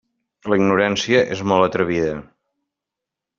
La ignorància és molt atrevida.